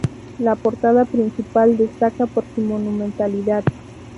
La portada principal destaca por su monumentalidad.